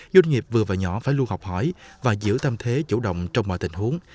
doanh nghiệp vừa và nhỏ phải luôn học hỏi và giữ tâm thế chủ động trong mọi tình huống